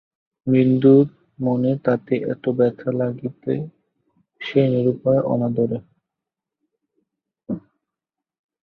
বিন্দুর মনে তাতে এত ব্যথা লাগিত সেই নিরুপায় অনাদরে?